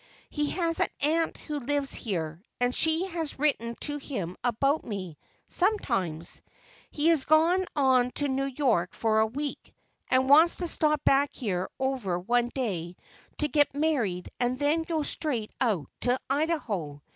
He has an aunt who lives here, and she has written to him about me, sometimes. He has gone on to New York for a week, and wants to stop back here over one day to get married and then go straight out to Idaho.